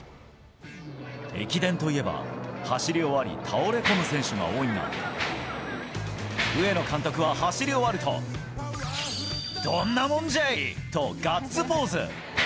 駅伝といえば、走り終わり、倒れ込む選手が多いが、上野監督は走り終わると、どんなもんじゃい！とガッツポーズ。